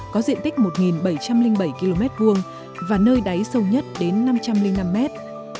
có diện tích một bảy trăm linh bảy km hai và nơi đáy sâu nhất đến năm trăm linh năm mét